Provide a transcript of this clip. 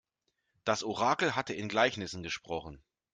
Das Orakel hatte in Gleichnissen gesprochen.